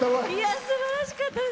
すばらしかったです！